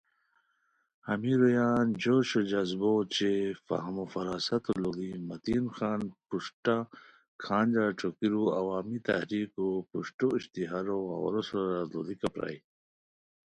ہمی رویان جوش وجذبو اوچے فہمو فراستو لوڑی متین خان پروشٹہ کھانجہ ݯوکیرو عوامی تحریکو پروشٹو اشتہارو غورو سورا لوڑیکہ پرائے